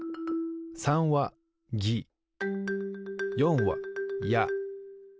３は「ぎ」４は「や」